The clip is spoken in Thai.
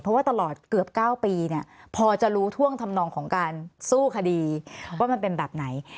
เพราะว่าตลอดเกือบ๙ปีเนี่ยพอจะรู้ท่วงทำนองของการสู้คดีว่ามันเป็นแบบไหน